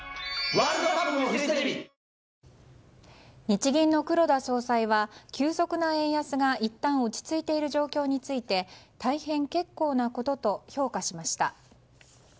日銀の黒田総裁は急速な円安がいったん落ち着いている状況について大変結構なことと評価しました。